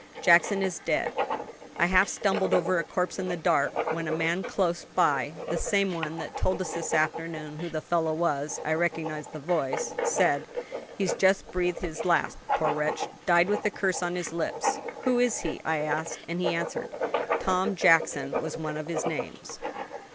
"Jackson is dead. I half stumbled over a corpse in the dark, when a man close by (the same one that told us this afternoon who the fellow was I recognized the voice) said, 'He's just breathed his last, poor wretch! died with a curse on his lips.' 'Who is he?' I asked; and he answered, 'Tom Jackson was one of his names.'"